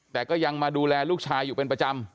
แต่ก็ยังมาดูแลลูกชายอยู่เป็นประจำ